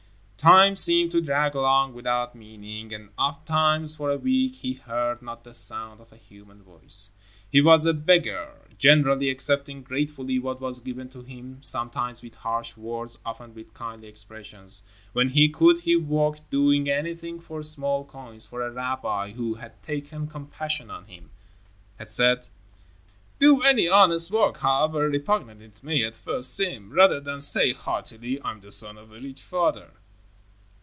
Time seemed to drag along without meaning, and oft times for a week he heard not the sound of a human voice. He was a beggar, generally accepting gratefully what was given to him, sometimes with harsh words, often with kindly expressions. When he could, he worked, doing anything for small coins, for a rabbi, who had taken compassion on him, had said, "Do any honest work, however repugnant it may at first seem, rather than say haughtily, 'I am the son of a rich father.'"